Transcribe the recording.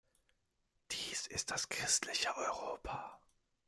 Dies ist das christliche Europa!